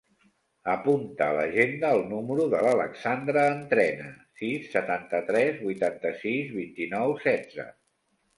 Apunta a l'agenda el número de l'Alexandra Entrena: sis, setanta-tres, vuitanta-sis, vint-i-nou, setze.